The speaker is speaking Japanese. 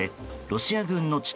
ロシア軍の地